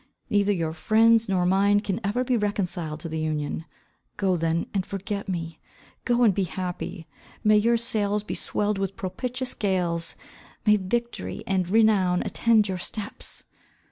Neither your friends nor mine can ever be reconciled to the union. Go then and forget me. Go and be happy. May your sails be swelled with propitious gales! May victory and renown attend your steps!"